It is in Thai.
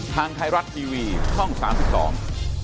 ทางไทยรัฐทีวีช่อง๓๒